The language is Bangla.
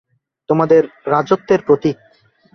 তোমার রাজত্বের প্রতীক।